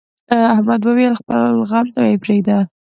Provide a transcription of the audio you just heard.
احمد وويل: خپل غم ته یې پرېږده.